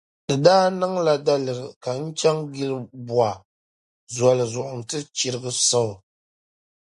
Di daa niŋla daliri ka n chaŋ Gilibɔa Zoli zuɣu nti chirigi Saul.